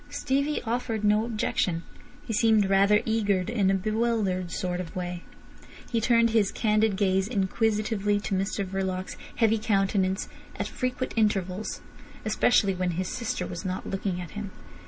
Stevie offered no objection. He seemed rather eager, in a bewildered sort of way. He turned his candid gaze inquisitively to Mr Verloc's heavy countenance at frequent intervals, especially when his sister was not looking at him.